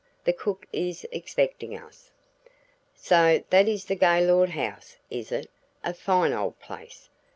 "The cook is expecting us." "So that is the Gaylord house is it? A fine old place!